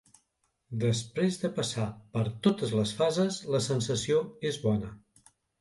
Després de passar per totes les fases la sensació és bona.